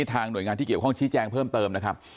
หน่วยงานที่เกี่ยวข้องชี้แจงเพิ่มเติมนะครับ